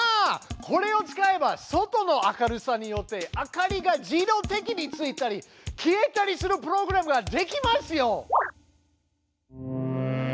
これを使えば外の明るさによって明かりが自動的についたり消えたりするプログラムができますよ。